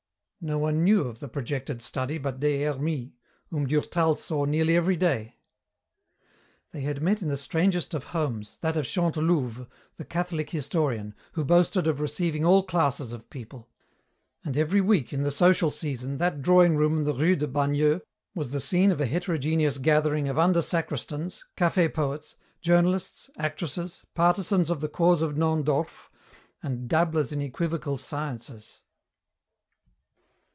No one knew of the projected study but Des Hermies, whom Durtal saw nearly every day. They had met in the strangest of homes, that of Chantelouve, the Catholic historian, who boasted of receiving all classes of people. And every week in the social season that drawing room in the rue de Bagneux was the scene of a heterogeneous gathering of under sacristans, café poets, journalists, actresses, partisans of the cause of Naundorff, and dabblers in equivocal sciences.